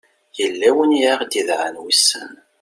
yella win i aɣ-d-idɛan wissen